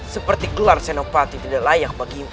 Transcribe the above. seperti gelar senopati tidak layak bagi